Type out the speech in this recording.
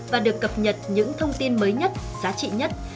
và được cập nhật những thông tin mới nhất giá trị nhất